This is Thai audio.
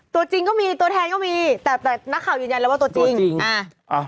ตัวจริงก็มีตัวแทนก็มีแต่แต่นักข่าวยืนยันแล้วว่าตัวจริงจริงอ่าอ่า